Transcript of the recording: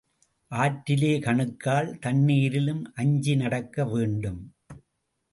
ஆற்றிலே கணுக்கால் தண்ணீரிலும் அஞ்சி நடக்க வேண்டும்.